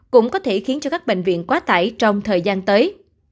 cũng có thể khiến cho các bệnh viện quá tải trong thời gian tới